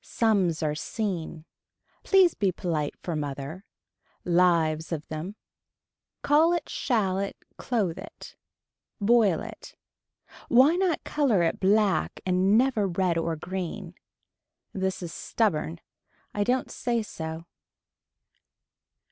Sums are seen. Please be polite for mother. Lives of them. Call it shall it clothe it. Boil it. Why not color it black and never red or green. This is stubborn. I don't say so.